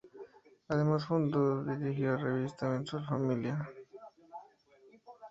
Además fundó y dirigió la revista mensual "Familia".